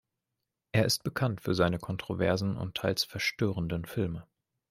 Er ist bekannt für seine kontroversen und teils verstörenden Filme.